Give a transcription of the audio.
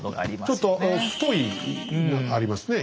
ちょっと太いのがありますね